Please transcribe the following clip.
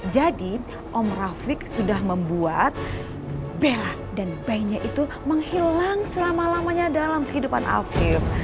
jadi om rafiq sudah membuat bella dan bayinya itu menghilang selama lamanya dalam kehidupan afif